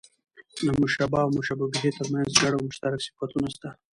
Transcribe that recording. د مشبه او مشبه به؛ تر منځ ګډ او مشترک صفتونه سته.